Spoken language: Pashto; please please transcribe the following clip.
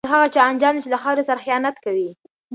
دا د هغه چا انجام دی چي له خاوري سره خیانت کوي.